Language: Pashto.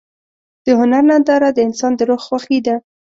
د هنر ننداره د انسان د روح خوښي ده.